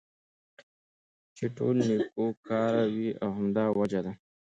چې ټول نيكو كاره وي او همدا وجه ده